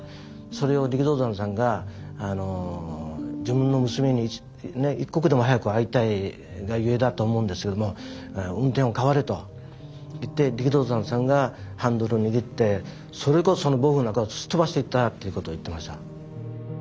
それを力道山さんが自分の娘に一刻でも早く会いたいがゆえだと思うんですけども運転を代われと言って力道山さんがハンドルを握ってそれこそその暴風雨の中をすっ飛ばしていったっていうことを言ってました。